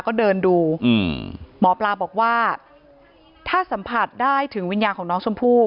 ก็เดินดูอืมหมอปลาบอกว่าถ้าสัมผัสได้ถึงวิญญาณของน้องชมพู่